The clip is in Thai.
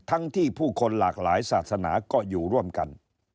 ทั้งที่ผู้คนหลากหลายศาสนาก็อยู่ร่วมกัน